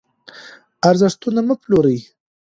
ارزښتونه مه پلورئ.